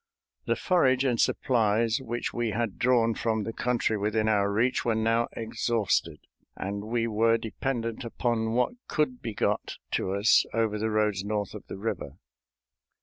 The forage and supplies which we had drawn from the country within our reach were now exhausted, and we were dependent upon what could be got to us over the roads north of the river.